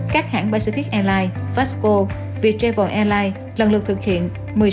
các hãng pacific airlines vasco viettravel airlines lần lượt thực hiện một mươi sáu năm trăm sáu mươi bảy